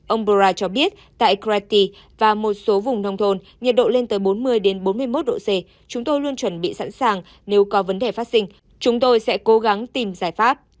ông borra cho biết tại greti và một số vùng nông thôn nhiệt độ lên tới bốn mươi bốn mươi một độ c chúng tôi luôn chuẩn bị sẵn sàng nếu có vấn đề phát sinh chúng tôi sẽ cố gắng tìm giải pháp